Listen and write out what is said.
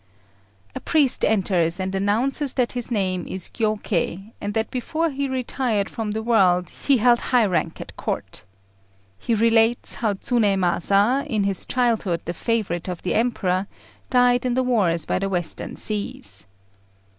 A priest enters, and announces that his name is Giyôkei, and that before he retired from the world he held high rank at Court. He relates how Tsunémasa, in his childhood the favourite of the Emperor, died in the wars by the western seas.